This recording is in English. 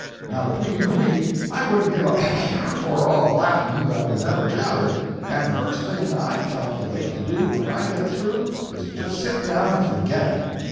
Now between you and me, I wouldn't give a for all the Latin that was ever jabbered; and the first thing I calculate to do when I get through, is to just sit down and forget it.